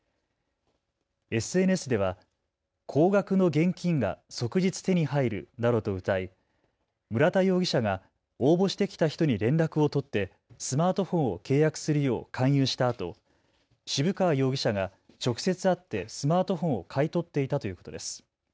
ＳＮＳでは高額の現金が即日、手に入るなどとうたい村田容疑者が応募してきた人に連絡を取ってスマートフォンを契約するよう勧誘したあと、渋川容疑者が直接会ってスマートフォンを買い取っていたということです。